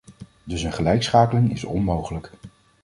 Dus een gelijkschakeling is onmogelijk.